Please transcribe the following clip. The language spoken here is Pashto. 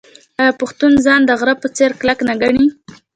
آیا پښتون ځان د غره په څیر کلک نه ګڼي؟